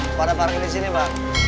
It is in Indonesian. ini mau pada parkir di sini bang